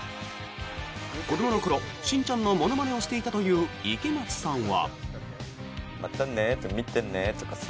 子どもの頃、しんちゃんのものまねをしていたという池松さんは。